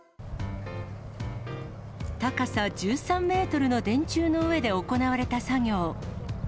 高さ１３メートルの電柱の上で行われた作業。